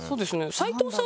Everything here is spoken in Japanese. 齊藤さん